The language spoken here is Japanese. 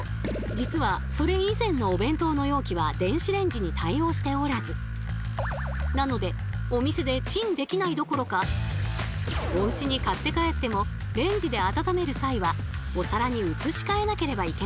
実はそれ以前のお弁当の容器は電子レンジに対応しておらずなのでお店でチンできないどころかおうちに買って帰ってもレンジで温める際はお皿に移し替えなければいけなかったんです。